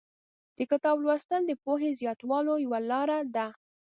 د کتاب لوستل د پوهې زیاتولو یوه لاره ده.